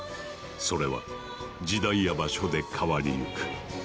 それは時代や場所で変わりゆく。